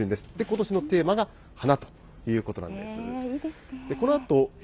ことしのテーマが花ということないいですね。